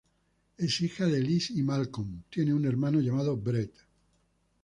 Es hija de Elise y Malcolm, tiene un hermano llamado Brett.